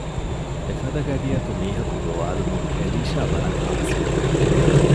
އެފަދަ ގަޑިއަކު މީހަކު ގޮވާލުމުން އެލީޝާ ވަރަށް ހާސްވި